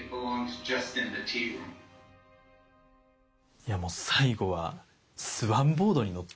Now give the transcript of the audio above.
いやもう最後はスワンボートに乗って。